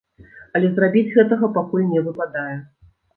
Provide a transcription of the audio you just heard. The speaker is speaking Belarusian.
Але зрабіць гэтага пакуль не выпадае.